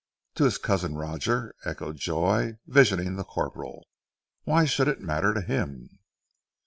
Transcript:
"To his cousin Roger," echoed Joy, visioning the corporal, "why should it matter to him?"